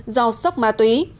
do sốc ma túy